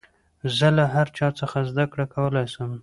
زه له هر چا څخه زدکړه کولاى سم.